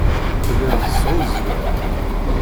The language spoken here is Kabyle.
Telliḍ tesɛuẓẓgeḍ.